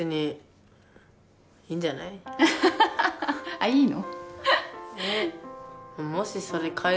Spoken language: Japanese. あっいいの？